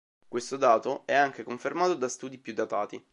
Questo dato è anche confermato da studi più datati.